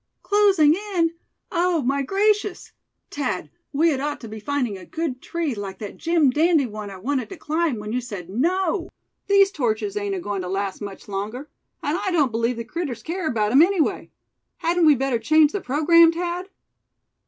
"Closing in! Oh! my gracious! Thad, we had ought to be finding a good tree like that Jim dandy one I wanted to climb, when you said no. These torches ain't agoin' to last much longer; and I don't believe the critters care about 'em anyway. Hadn't we better change the programme, Thad?"